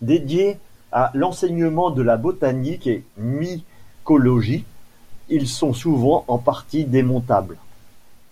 Dédiés à l'enseignement de la botanique et mycologie, ils sont souvent en partie démontables.